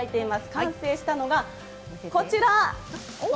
完成したのが、こちら！